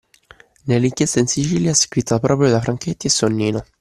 Nell’Inchiesta in Sicilia, scritta proprio da Franchetti e Sonnino